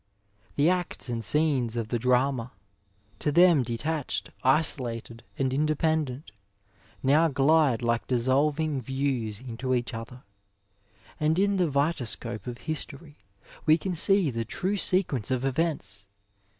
The acts and scenes of the drama; to them detached, isolated and independent, now glide like dissolving views into each other, and in the vitascope of history we can see the true sequence of events.